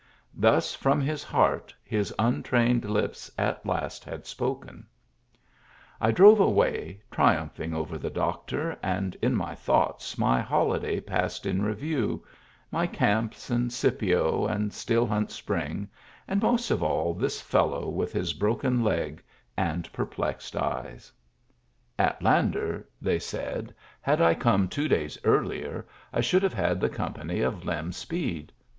Thus from his heart his untrained lips at last had spoken. I drove away, triumphing over the doctor, and in my thoughts my holiday passed in review, — my camps, and Scipio, and Still Hunt Spring, and most of all this fellow with his broken leg and perplexed eyes. Digitized by VjOOQIC 172 MEMBERS OF THE FAMILY At Lander, they said, had I come two days earlier, I should have had the company of Lem Speed.